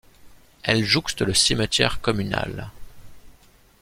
Elle jouxte le cimetière communal.